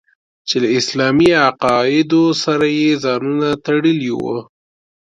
چې له اسلامي عقایدو سره یې ځانونه تړلي وو.